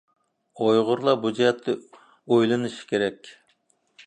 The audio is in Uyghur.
ئۇيغۇرلار بۇ جەھەتتە ئويلىنىشى كېرەك.